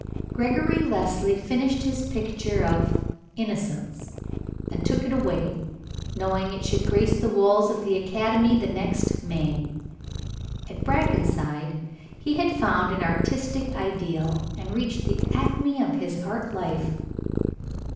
Gregory Leslie finished his picture of "Innocence," and took it away, knowing it should grace the walls of the Academy the next May. At Brackenside he had found an artistic ideal, and reached the acme of his art life.